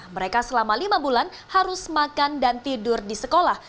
mereka selama lima bulan harus makan dan tidur di sekolah